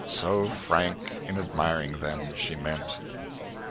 So frank in admiring them, she meant.